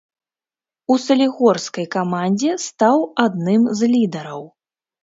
У салігорскай камандзе стаў адным з лідараў.